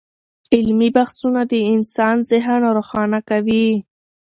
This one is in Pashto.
علمي بحثونه د انسان ذهن روښانه کوي.